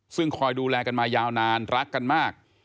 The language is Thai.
ซึ่งคอยดูแลกันมายาวนานรักกันมาก